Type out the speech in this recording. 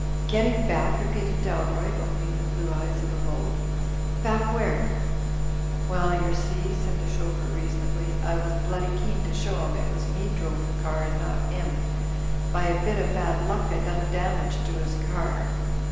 "Getting back," repeated Dalroy, opening the blue eyes of a bull. "Back where?" "Well, yer see," said the chauffeur, reasonably, "I was bloody keen to show 'im it was me drove the car and not 'im. By a bit o' bad luck, I done damage to 'is car.